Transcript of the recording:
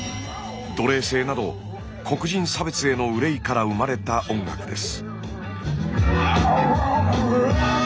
奴隷制など黒人差別への憂いから生まれた音楽です。